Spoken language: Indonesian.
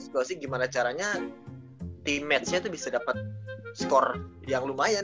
gue sih gimana caranya team match nya tuh bisa dapet score yang lumayan